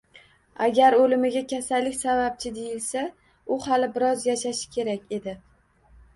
Agar o`limiga kasallik sababchi deyilsa, u hali biroz yashashi kerak edi